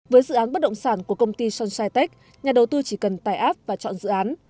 với dự án bất động sản của công ty sunshine tech nhà đầu tư chỉ cần tài áp và chọn dự án